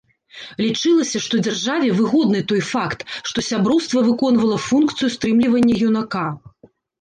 Лічылася, што дзяржаве выгодны той факт, што сяброўства выконвала функцыю стрымлівання юнака.